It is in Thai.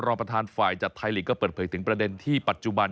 ประธานฝ่ายจัดไทยลีกก็เปิดเผยถึงประเด็นที่ปัจจุบัน